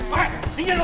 wah dingin lo